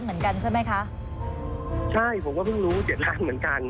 เหมือนกันใช่ไหมคะใช่ผมก็เพิ่งรู้เจ็ดล้านเหมือนกัน